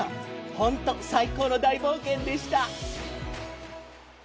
ほんと最高の大冒険でした！